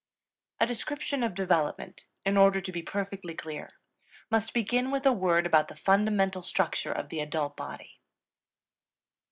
A description of development, in order to be perfectly clear, must begin with a word about the fundamental structure of the adult body.